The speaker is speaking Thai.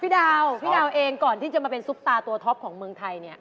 ดาวพี่ดาวเองก่อนที่จะมาเป็นซุปตาตัวท็อปของเมืองไทยเนี่ย